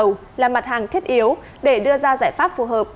dầu là mặt hàng thiết yếu để đưa ra giải pháp phù hợp